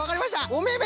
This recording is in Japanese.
おめめ！